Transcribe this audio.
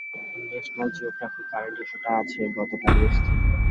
National জিওগ্রাফির current ইস্যুটা আছে, গতকালই এসেছে।